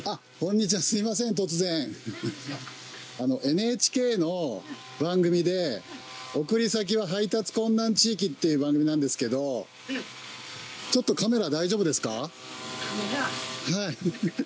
ＮＨＫの番組で「送り先は配達困難地域」っていう番組なんですけどカメラ。